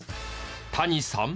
谷さん。